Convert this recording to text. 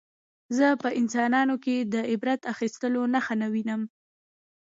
زه په انسانانو کې د عبرت اخیستلو نښه نه وینم